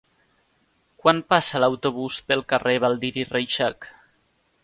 Quan passa l'autobús pel carrer Baldiri Reixac?